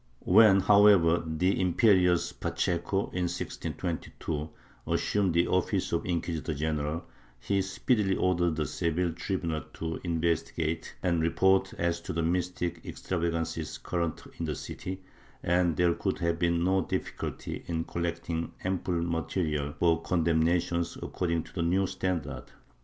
^ When, however, the imperious Pacheco, in 1622, assumed the office of inquisitor general, he speedily ordered the Seville tribunal to investigate and report as to the mystic extravagances current in the city, and there could have been no difficulty in collecting ample material for condem nation according to the new standard.